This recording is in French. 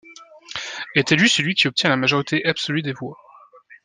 Est élu celui qui obtient la majorité absolue des voix.